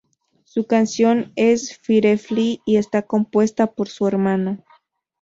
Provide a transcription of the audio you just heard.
Su canción es "Firefly" y está compuesta por su hermano.